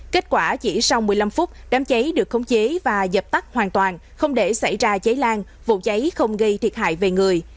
kết quả chỉ sau một mươi năm phút đám cháy được khống chế và dập tắt hoàn toàn không để xảy ra cháy lan vụ cháy không gây thiệt hại về người